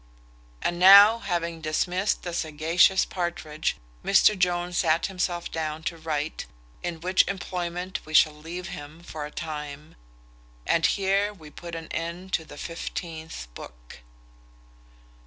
And now, having dismissed the sagacious Partridge, Mr Jones sat himself down to write, in which employment we shall leave him for a time. And here we put an end to the fifteenth book.